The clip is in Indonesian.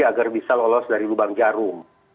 agar bisa lolos dari lubang jarum